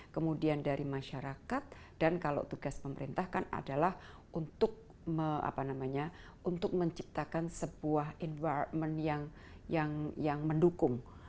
kemudian dari masyarakat dan kalau tugas pemerintah kan adalah untuk menciptakan sebuah environment yang mendukung